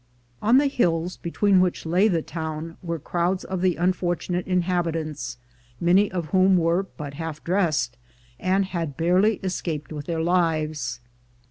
On the hills, between which lay the town, were crowds of the unfortunate inhabitants, many of whom were but half dressed, and had barely escaped with their lives.